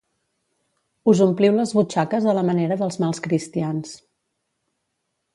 Us ompliu les butxaques a la manera dels mals cristians.